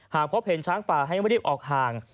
หากพบเห็นช้างป่าให้ไม่ได้ออกห่าง